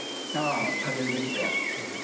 あ下げるべきである。